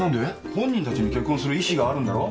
本人たちに結婚する意志があるんだろ？